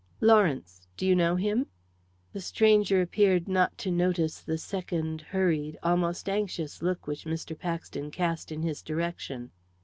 "Lawrence. Do you know him?" The stranger appeared not to notice the second hurried, almost anxious look which Mr. Paxton cast in his direction.